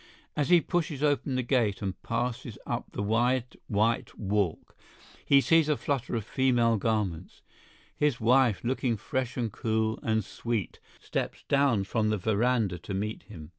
As he pushes open the gate and passes up the wide white walk, he sees a flutter of female garments; his wife, looking fresh and cool and sweet, steps down from the veranda to meet him.